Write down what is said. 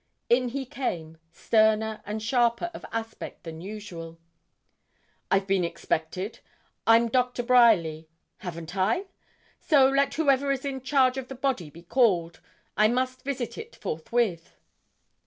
In he came, sterner and sharper of aspect than usual. 'I've been expected? I'm Doctor Bryerly. Haven't I? So, let whoever is in charge of the body be called. I must visit it forthwith.'